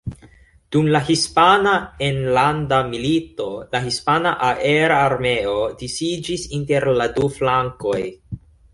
Dum la Hispana Enlanda Milito la Hispana Aerarmeo disiĝis inter la du flankoj.